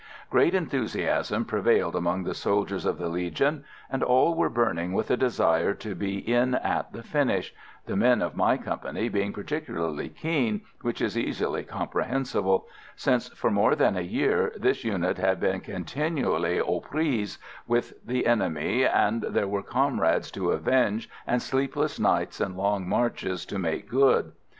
Great enthusiasm prevailed among the soldiers of the Legion, and all were burning with a desire to be in at the finish, the men of my company being particularly keen, which is easily comprehensible, since for more than a year this unit had been continually aux prises with the enemy, and there were comrades to avenge, and sleepless nights and long marches to make good.